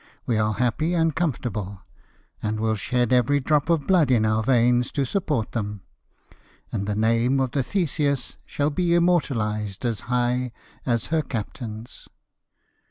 We are happy and comfort able ; and will shed every drop of blood in our veins to support them — and the name of the Theseus shall be immortalised as high as her captain's."